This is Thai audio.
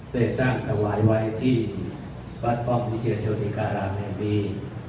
ได้สร้างถวายไว้ที่วัดป้อมวิเชียรเทิการามแห่งนี้